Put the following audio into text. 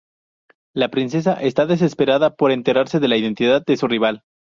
La princesa está desesperada por enterarse de la identidad de su rival.